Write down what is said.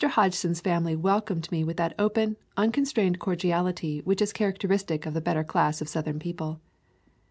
Hodgson's family welcomed me with that open, uncon strained cordiality which is characteristic of the better class of Southern people.